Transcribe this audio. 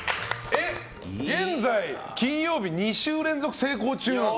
現在、金曜日２週連続成功中。